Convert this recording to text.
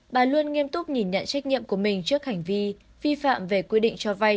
bà luôn nghiêm túc nhìn nhận trách nhiệm của mình trước hành vi vi phạm về quy định cho vay